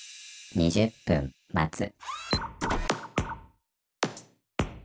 ２０分待つ